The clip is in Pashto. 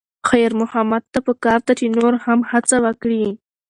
خیر محمد ته پکار ده چې نور هم هڅه وکړي.